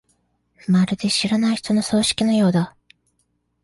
まるで知らない人の葬式のようだ。